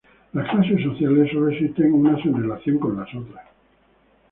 Las clases sociales sólo existen unas en relación con otras.